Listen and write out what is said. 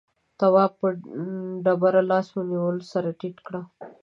تواب په ډبره لاس ونيو سر يې ټيټ کړ.